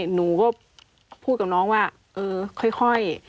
หนูก็พูดกับน้องว่าเออค่อย